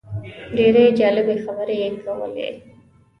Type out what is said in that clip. ډېرې جالبې خبرې یې کولې.